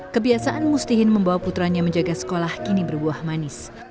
kebiasaan mustihin membawa putranya menjaga sekolah kini berbuah manis